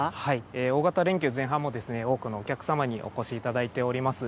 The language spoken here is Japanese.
大型連休前半も、多くのお客様にお越しいただいております。